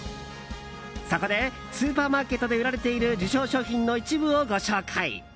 そこでスーパーマーケットで売られている受賞商品の一部をご紹介。